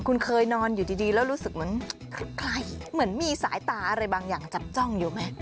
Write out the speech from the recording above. คุณเคยนอนอยู่ดีแล้วรู้สึกเหมือนใครเหมือนมีสายตาอะไรบางอย่างจับจ้องอยู่ไหม